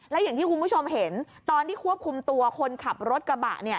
และอย่างที่คุณผู้ชมเห็นตอนที่ควบคุมตัวคนขับรถกระบะเนี่ย